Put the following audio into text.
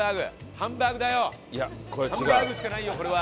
ハンバーグしかないよこれは。